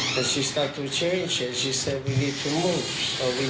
และเธอต้องซื้อเงินและเพื่อนมันทิ้งค้า